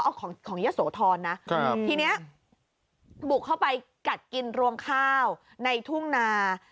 อ๋อของของเยี่ยมโสธรนะทีเนี้ยบุกเข้าไปกัดกินรวมข้าวในทุ่งนา